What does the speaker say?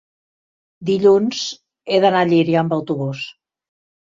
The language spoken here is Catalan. Dilluns he d'anar a Llíria amb autobús.